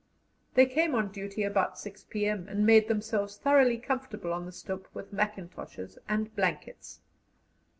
They came on duty about 6 p.m., and made themselves thoroughly comfortable on the stoep with mackintoshes and blankets.